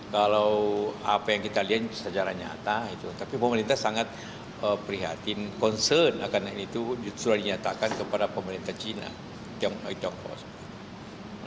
kalau apa yang kita lihat secara nyata tapi pemerintah sangat prihatin concern akan itu sudah dinyatakan kepada pemerintah cina tiongkok